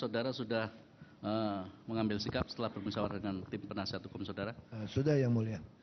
dan kawan kawan tim penuntut umum